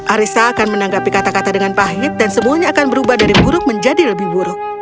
arissa akan menanggapi kata kata dengan pahit dan semuanya akan berubah dari buruk menjadi lebih buruk